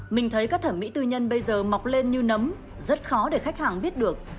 mình thấy các thẩm mỹ tư nhân bây giờ mọc lên như nấm rất khó để khách hàng biết được